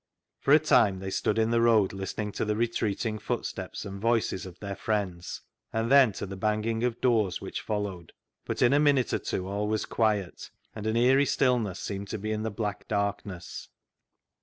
For a time they stood in the road listening to the retreating footsteps and voices of their friends, and then to the banging of doors which followed, but in a minute or two all was quiet, and an eerie stillness seemed to be in the black darkness.